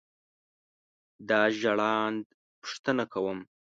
دا ژړاند پوښتنه کوم.